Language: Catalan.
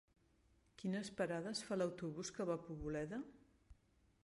Quines parades fa l'autobús que va a Poboleda?